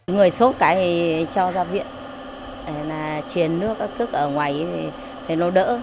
người sốt cái thì cho ra viện là truyền nước các thức ở ngoài thì nó đỡ